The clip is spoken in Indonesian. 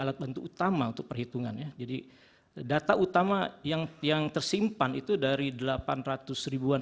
alat bantu utama untuk perhitungannya jadi data utama yang yang tersimpan itu dari delapan ratus ribuan